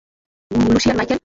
Lucian, Michael.